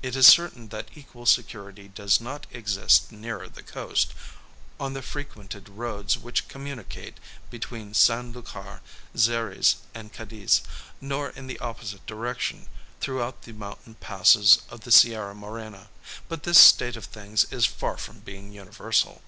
It is certain that equal security does not exist nearer the coast, on the frequented roads which communicate between San Lucar, Xeres, and Cadiz; nor in the opposite direction, throughout the mountain passes of the Sierra Morena. But this state of things is far from being universal.